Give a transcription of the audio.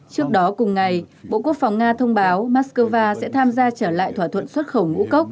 trước đó cùng ngày bộ quốc phòng nga thông báo moscow sẽ tham gia trở lại thỏa thuận xuất khẩu ngũ cốc